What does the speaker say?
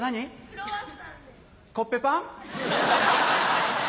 ・クロワッサンです・コッペパン？